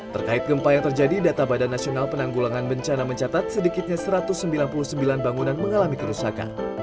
terkait gempa yang terjadi data badan nasional penanggulangan bencana mencatat sedikitnya satu ratus sembilan puluh sembilan bangunan mengalami kerusakan